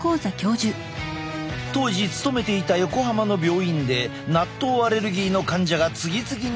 当時勤めていた横浜の病院で納豆アレルギーの患者が次々に見つかったのだ。